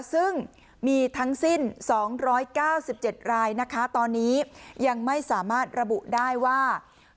ซึ่งมีทั้งสิ้น๒๙๗รายนะคะตอนนี้ยังไม่สามารถระบุได้ว่า